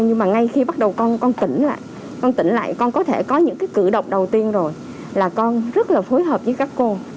nhưng mà ngay khi bắt đầu con tỉnh lại con có thể có những cái cử động đầu tiên rồi là con rất là phối hợp với các cô